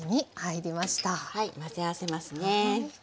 混ぜ合わせますね。